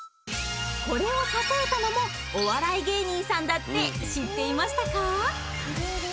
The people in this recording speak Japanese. これをたとえたのもお笑い芸人さんだって知っていましたか？